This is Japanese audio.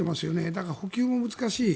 だから補給も難しい。